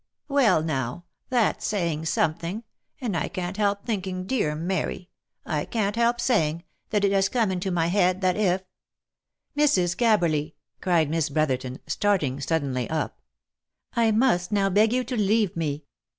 " Well now ! that's saying something ; and I can't help think ing, dear Mary ! I can't help saying, that it has come into my head, that if—" " Mrs. Gabberly!" cried Miss Brotherton, starting suddenly up. " I must now beg you to leave me.